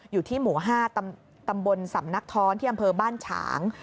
อยู่ที่หมู่๕ตำบลสำนักท้อนที่อำเภอบ้านฉาง